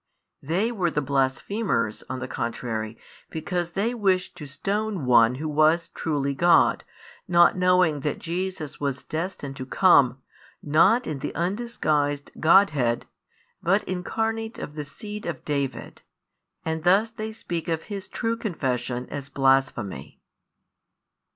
They were the blasphemers, on the contrary, because they wished to stone One Who was truly God, not knowing that Jesus was destined to come, not in the undisguised Godhead, but Incarnate of the Seed of David; [and thus] they speak of His true confession as blasphemy.